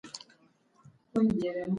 پاکې اوبه د فصلونو د ښه والي لامل ګرځي.